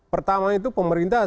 pertama itu pemerintah